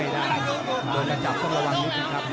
โดนกระจับต้องระวังนิดนึงครับ